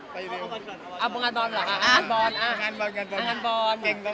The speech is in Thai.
จะเข้าแล้วก่อนก่อน